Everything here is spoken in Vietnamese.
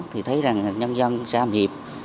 thì thấy rằng nhân dân xã hàm hiệp